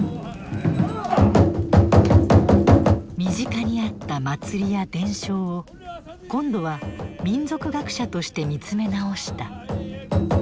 身近にあった祭りや伝承を今度は民俗学者として見つめ直した。